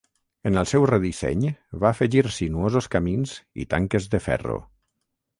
En el seu redisseny, va afegir sinuosos camins i tanques de ferro.